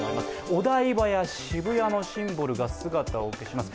お台場や渋谷のシンボルが姿を消します。